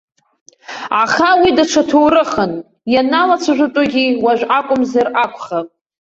Аха уи даҽа ҭоурыхын, ианалацәажәатәугьы уажә акәымзар акәхап.